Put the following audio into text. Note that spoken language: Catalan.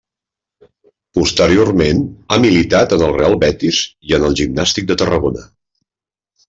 Posteriorment, ha militat en el Real Betis i en el Gimnàstic de Tarragona.